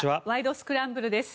スクランブル」です。